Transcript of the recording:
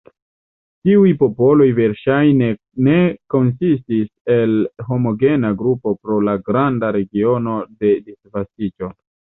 Tiuj popoloj verŝajne ne konsistis el homogena grupo pro la granda regiono de disvastiĝo.